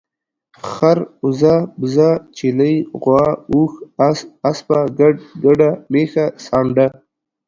خر، اوزه، بيزه ، چيلۍ ، غوا، اوښ، اس، اسپه، ګډ، ګډه، ميښه، سانډه